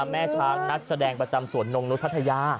แม่ช้างนักแสดงประจำสวนนงนุษย์พัทยา